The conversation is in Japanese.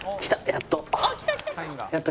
やっと。